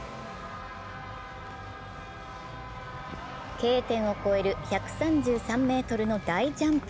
Ｋ点を越える１３３ｍの大ジャンプ。